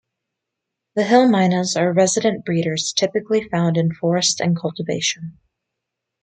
The hill mynas are resident breeders typically found in forest and cultivation.